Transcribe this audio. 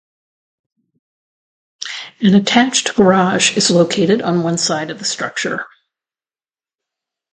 An attached garage is located on one side of the structure.